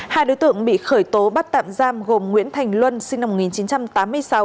hai đối tượng bị khởi tố bắt tạm giam gồm nguyễn thành luân sinh năm một nghìn chín trăm tám mươi sáu